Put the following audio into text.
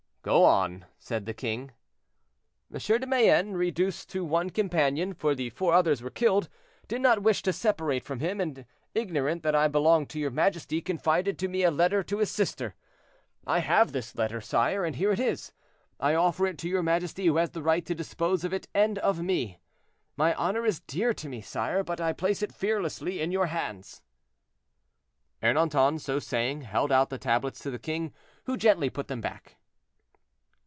"Go on," said the king. "M. de Mayenne, reduced to one companion, for the four others were killed, did not wish to separate from him, and, ignorant that I belonged to your majesty, confided to me a letter to his sister. I have this letter, sire, and here it is; I offer it to your majesty who has the right to dispose of it and of me. My honor is dear to me, sire, but I place it fearlessly in your hands." Ernanton, so saying, held out the tablets to the king, who gently put them back.